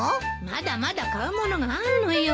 まだまだ買う物があんのよ。